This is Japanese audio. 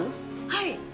はい！